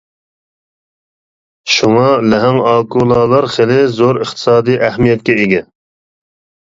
شۇڭا لەھەڭ ئاكۇلالار خېلى زور ئىقتىسادىي ئەھمىيەتكە ئىگە.